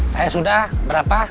saya sudah berapa